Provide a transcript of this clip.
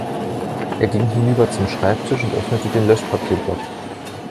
Er ging hinüber zum Schreibtisch und öffnete den Löschpapierblock.